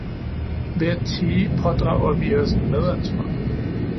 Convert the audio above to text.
Ved at tie pådrager vi os et medansvar.